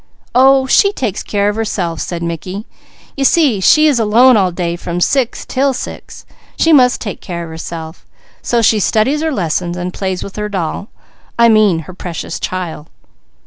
"Oh she takes care of herself," said Mickey. "You see she is alone all day from six 'til six; she must take care of herself, so she studies her lesson, and plays with her doll I mean her Precious Child."